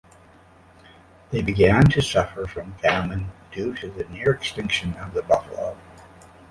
They began to suffer from famine due to the near extinction of the buffalo.